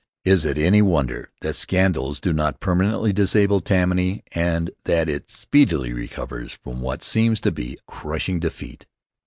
Is it any wonder that scandals do not permanently disable Tammany and that it speedily recovers from what seems to be crushing defeat?